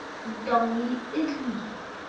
Ǹtɔ̀ŋgə̂ yi ɨ lwì.